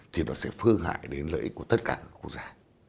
thì nó sẽ phương hại đến lợi ích của tất cả các quốc gia